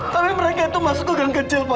tapi mereka itu masuk ke dan kecil pak